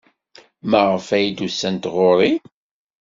Maɣef ay d-usant ɣer-i?